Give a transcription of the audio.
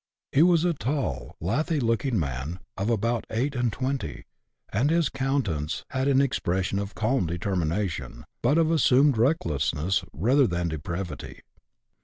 He was a tall, lathy looking man, of about eight and twenty, and his countenance had an ex pression of calm determination, but of assumed recklessness rather than depravity.